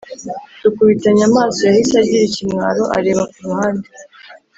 Dukubitanye amaso yahise agira ikimwaro areba kuruhande